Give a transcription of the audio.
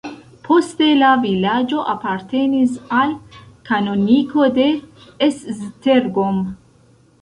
Poste la vilaĝo apartenis al kanoniko de Esztergom.